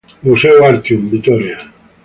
Museo Artium, Vitoria.